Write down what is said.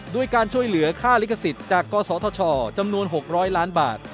ด้วยการช่วยเหลือค่าลิขสิทธิ์จากกศธชจำนวน๖๐๐ล้านบาท